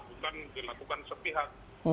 bukan dilakukan sepihak